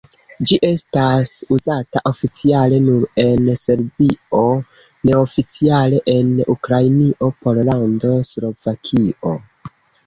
Ĝi estas uzata oficiale nur en Serbio, neoficiale en Ukrainio, Pollando, Slovakio.